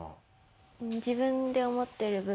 自分で思っている部分も。